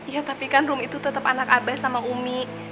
ya tapi kan rum itu tetap anak abah sama umi